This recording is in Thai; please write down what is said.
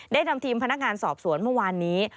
นำทีมพนักงานสอบสวนเมื่อวานนี้